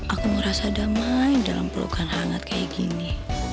aku merasa damai dalam pelukan hangat kayak gini